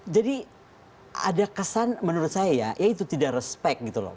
jadi ada kesan menurut saya ya yaitu tidak respect gitu loh